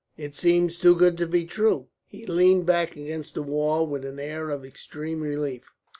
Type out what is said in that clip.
It seems too good to be true." He leaned back against the wall with an air of extreme relief.